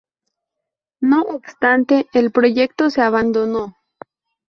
No obstante, el proyecto se abandonó.